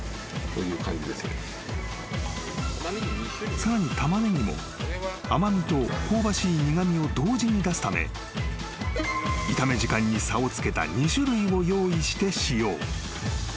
［さらにタマネギも甘味と香ばしい苦味を同時に出すため炒め時間に差をつけた２種類を用意して使用］